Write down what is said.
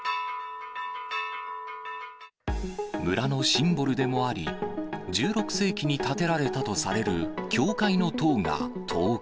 村のシンボルでもあり、１６世紀に建てられたとされる教会の塔が倒壊。